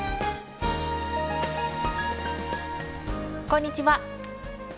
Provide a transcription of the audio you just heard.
こんにちは。